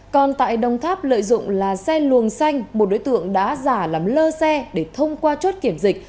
còn tại đồng tháp lợi dụng là xe luồng xanh một đối tượng đã giả làm lơ xe để thông qua chốt kiểm dịch